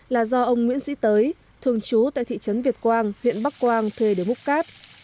là do ông nguyễn sĩ tới thường chú tại thị trấn việt quang huyện bắc quang thuê để múc cắt